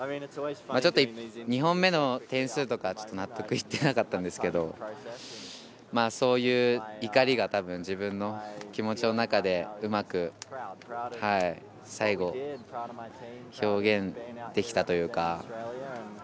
ちょっと２本目の点数とか納得いってなかったんですけどそういう怒りがたぶん、自分の気持ちの中でうまく最後、表現できたというか。